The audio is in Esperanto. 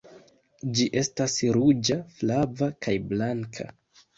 Ĝi estas ruĝa, flava, kaj blanka.